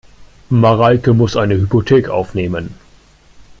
Mareike muss eine Hypothek aufnehmen.